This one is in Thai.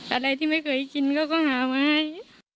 อะไรที่ไม่เคยกินเขาก็หามาให้